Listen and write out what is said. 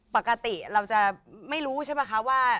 ปกติเราจะไม่รู้ใช่ป่ะคะว่า